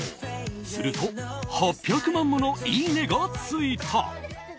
すると８００万ものいいねがついた。